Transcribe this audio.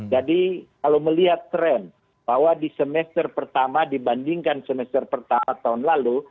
jadi kalau melihat tren bahwa di semester pertama dibandingkan semester pertama tahun lalu